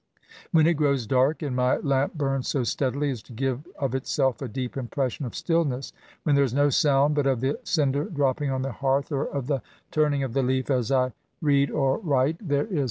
*' When it grows dark, and my lamp bums so steadily as to give of itself a deep impression of stillness; when there is no sound but of the cinder dropping on the hearth, or of the turning of the leaf as I read ox write, there is SYMPATHY TO THE INVALID.